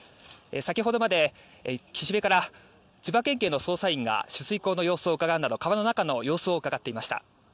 先ほどまで岸辺から千葉県警の捜査員が取水口の様子をうかがうなど川の中の様子をうかがっていました。